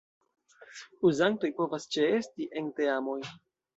Uzantoj povas ĉeesti en teamoj.